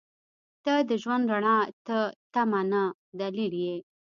• ته د ژوند رڼا ته تمه نه، دلیل یې.